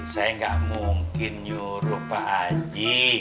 saya nggak mungkin nyuruh pak haji